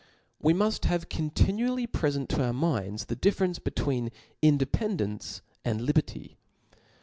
and 5. Wc muft have continually prefent to our minds the difference between independence and liberty.